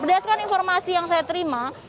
berdasarkan informasi yang saya terima